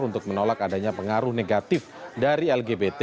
untuk menolak adanya pengaruh negatif dari lgbt